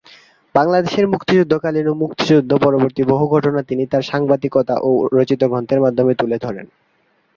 বাংলাদেশের মুক্তিযুদ্ধকালীন ও মুক্তিযুদ্ধ পরবর্তী বহু ঘটনা তিনি তার সাংবাদিকতা ও রচিত গ্রন্থের মাধ্যমে তুলে ধরেন।